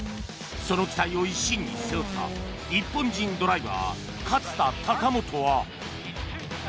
その期待を一身に背負った日本人ドライバー勝田貴元は。